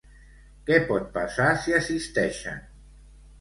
Què pot passar si assisteixen?